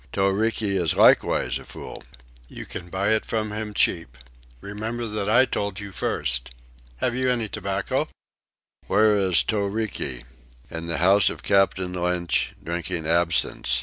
Toriki is likewise a fool. You can buy it from him cheap. Remember that I told you first. Have you any tobacco?" "Where is Toriki?" "In the house of Captain Lynch, drinking absinthe.